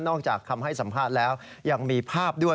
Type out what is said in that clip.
จากคำให้สัมภาษณ์แล้วยังมีภาพด้วย